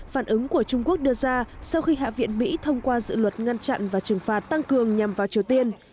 phản ứng của trung quốc đưa ra sau khi hạ viện mỹ thông qua dự luật ngăn chặn và trừng phạt tăng cường nhằm vào triều tiên